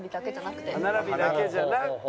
歯並びだけじゃなくて。